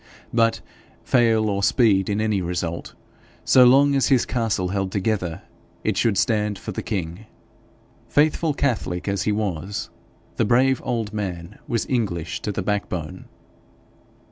But, fail or speed in any result, so long as his castle held together, it should stand for the king. Faithful catholic as he was, the brave old man was English to the backbone.